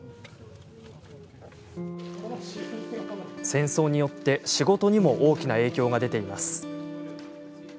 戦争によって、仕事にも大きな影響が出ています。